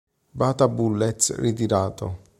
Bata Bullets ritirato.